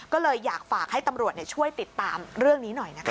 ก็เลยอยากฝากให้ตำรวจช่วยติดตามเรื่องนี้หน่อยนะคะ